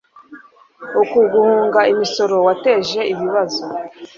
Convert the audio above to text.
Uku guhunga imisoro lwateje ibibazo